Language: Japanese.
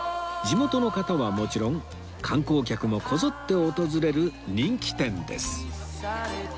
地元の方はもちろん観光客もこぞって訪れる人気店です